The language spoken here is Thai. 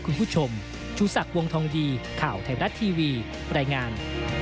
คุณผู้ชมชูศักดิ์วงทองดีข่าวไทยรัฐทีวีรายงาน